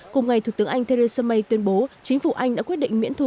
cùng ngày thực tướng anh theresa may tuyên bố chính phủ anh đã quyết định miễn thu